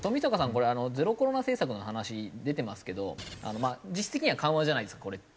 これゼロコロナ政策の話出てますけど実質的には緩和じゃないですかこれって。